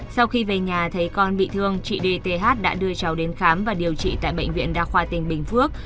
sau khi về nhà thấy con bị thương chị dth đã đưa cháu đến khám và điều trị tại bệnh viện đa khoa tỉnh bình phước